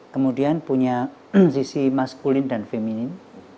kemudian punya sisi maskulin dan feminin